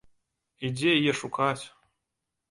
І дзе яе шукаць?